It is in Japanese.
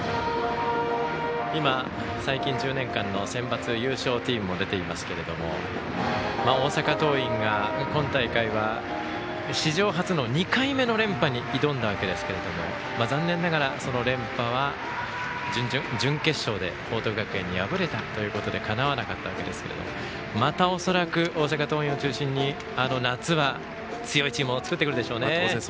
最近１０年間のセンバツ優勝チームも出ていますけれど大阪桐蔭が今大会は史上初の２回目の連覇に挑んだわけですけど残念ながら連覇は準決勝で報徳学園に敗れたのでかなわなかったわけですがまた恐らく大阪桐蔭を中心にあの夏は強いチームを作ってくるでしょうね。